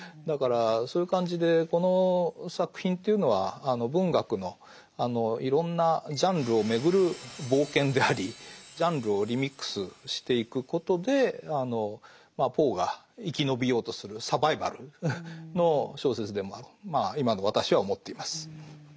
だからそういう感じでこの作品というのは文学のいろんなジャンルをめぐる冒険でありジャンルをリミックスしていくことでポーが生き延びようとするサバイバルの小説でもあるとまあ今の私は思っています。